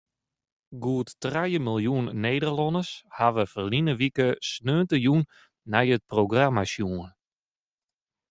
Goed trije miljoen Nederlanners hawwe ferline wike sneontejûn nei it programma sjoen.